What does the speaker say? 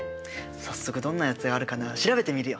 早速どんなやつがあるかな調べてみるよ。